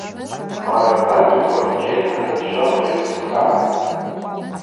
Къарабакь йхвырджьын акыт швабыж йырцхърагӏатӏ.